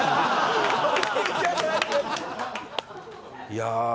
いや。